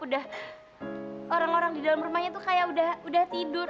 udah orang orang di dalam rumahnya tuh kayak udah tidur